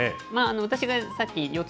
私がさっき四つ